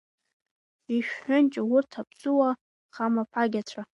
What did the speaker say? Ишәҳәынҷа урҭ аԥсуаа хамаԥагьацәа.